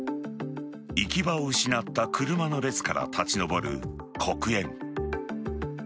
行き場を失った車の列から立ち上る黒煙。